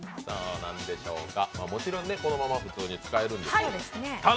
もちろんこのまま普通に使えるんですけど。